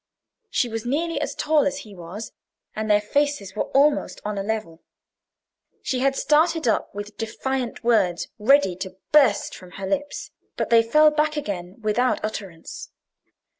She was nearly as tall as he was, and their faces were almost on a level. She had started up with defiant words ready to burst from her lips, but they fell back again without utterance.